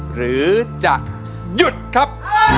หรือจะหยุดครับ